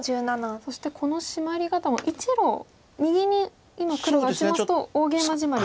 そしてこのシマリ方も１路右に今黒が打ちますと大ゲイマジマリに戻るんですね。